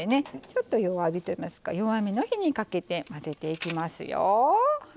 ちょっと弱火といいますか弱めの火にかけて混ぜていきますよ。